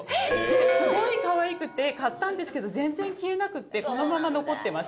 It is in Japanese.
すごいかわいくて買ったんですけど全然消えなくてこのまま残ってました。